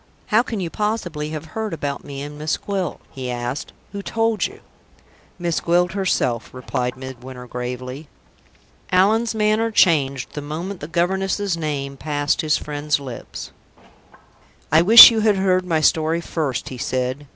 "How can you possibly have heard about me and Miss Gwilt?" he asked. "Who told you?" "Miss Gwilt herself," replied Midwinter, gravely. Allan's manner changed the moment the governess's name passed his friend's lips. "I wish you had heard my story first," he said.